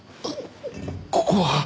こここは？